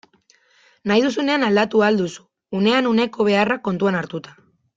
Nahi duzunean aldatu ahal duzu, unean uneko beharrak kontuan hartuta.